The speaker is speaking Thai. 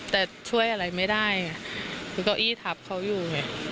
แต่ช่วยอะไรไม่ได้ไงคือเก้าอี้ทับเขาอยู่ไง